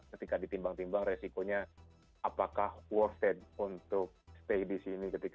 ketika ditimbang timbang resikonya apakah worth it untuk stay di sini